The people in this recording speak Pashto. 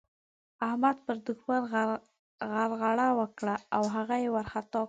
احمد پر دوښمن غرغړه وکړه او هغه يې وارخطا کړ.